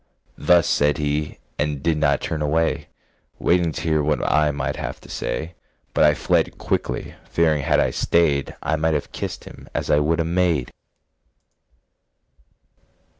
Thus said he, And did not turn away, Waiting to hear what I might have to say, But I fled quickly, fearing had I stayed I might have kissed him as I would a maid.